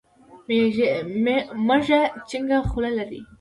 مږه چينګه خوله لري.